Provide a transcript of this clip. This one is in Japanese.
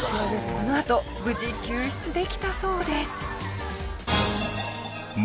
このあと無事救出できたそうです。